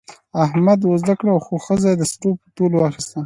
احمد وزده وکړه، خو ښځه یې د سرو په تول واخیسته.